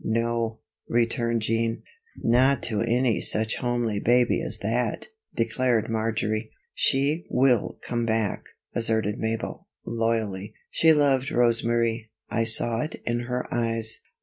"No," returned Jean. "Not to any such homely baby as that," declared Marjory. "She will come back," asserted Mabel, loyally. "She loved Rosa Marie I saw it in her eyes."